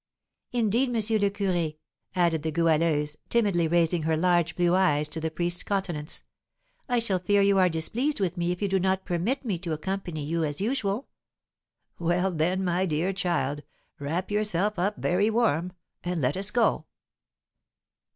"Indeed, Monsieur le Curé," added the Goualeuse, timidly raising her large blue eyes to the priest's countenance, "I shall fear you are displeased with me if you do not permit me to accompany you as usual." "Well, then, my dear child, wrap yourself up very warm, and let us go."